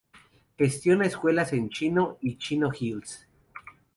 Gestiona escuelas en Chino y Chino Hills.